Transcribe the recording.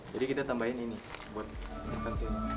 jadi kita tambahin ini buat intensif